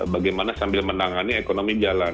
bagaimana sambil menangani ekonomi jalan